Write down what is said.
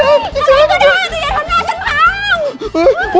ทำไมก็ได้อย่าทดมอจ์ฉันข้าว